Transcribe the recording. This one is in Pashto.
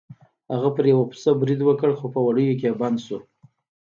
هغه په یو پسه برید وکړ خو په وړیو کې بند شو.